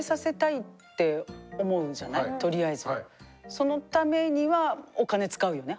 そのためにはお金使うよね早めにね。